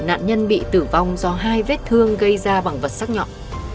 nạn nhân bị tử vong do hai vết thương gây ra bằng vật sắc nhọn